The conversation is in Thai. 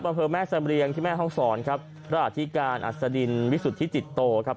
อำเภอแม่สำเรียงที่แม่ห้องศรครับพระอธิการอัศดินวิสุทธิจิตโตครับ